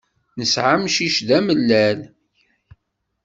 Nesɛa amcic d amellal.